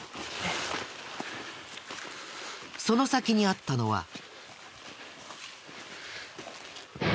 その先にあったのは。